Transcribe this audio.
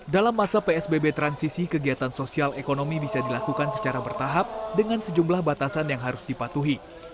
dalam masa psbb transisi kegiatan sosial ekonomi bisa dilakukan secara bertahap dengan sejumlah batasan yang harus dipatuhi